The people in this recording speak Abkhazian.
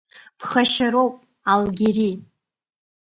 Ԥхашьароуп, Алгьери…